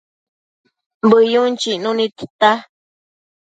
Bëyun chicnu nid tita